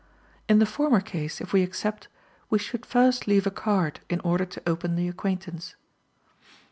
In the former case, if we accept, we should first leave a card in order to open the acquaintance.